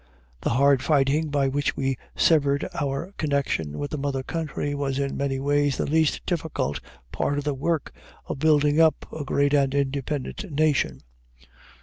The hard fighting by which we severed our connection with the mother country was in many ways the least difficult part of the work of building up a great and independent nation.